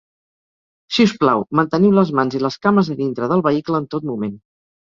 Si us plau, manteniu les mans i les cames a dintre del vehicle en tot moment.